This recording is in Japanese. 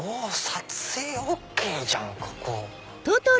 撮影ＯＫじゃん！